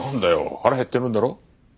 腹減ってるんだろ？